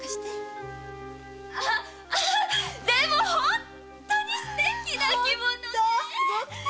でも本当にすてきな着物ね。